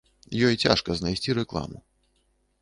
Ёй цяжка знайсці рэкламу.